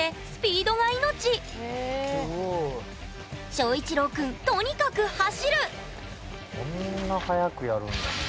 翔一郎くんとにかく走るそんな速くやるんだ。